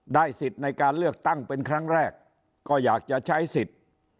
สิทธิ์ในการเลือกตั้งเป็นครั้งแรกก็อยากจะใช้สิทธิ์